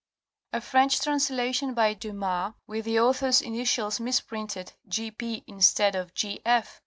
A French translation by Dumas, with the author's initials misprinted G. P. instead of G. F.